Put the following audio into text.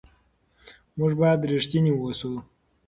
موږ باید رښتیني واوسو.